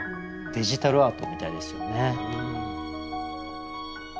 デジタルアートみたいですよね。